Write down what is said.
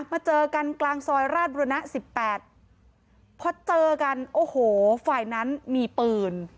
มาเจอกันกลางซอยราชบุรณะ๑๘พอเจอกันโอ้โหฝ่ายนั้นมีปืน